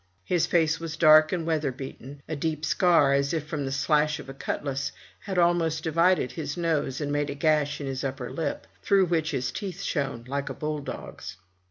His face was dark and weatherbeaten; a deep scar, as if from the slash of a cutlass, had almost divided his nose, and made a gash in his upper lip, through which his teeth shone like a bull dog's.